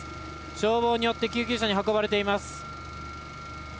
消防によって救急車に運ばれています。